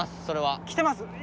それは。来てます？